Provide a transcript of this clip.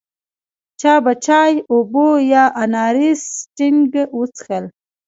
چا به چای، اوبه یا اناري سټینګ وڅښل.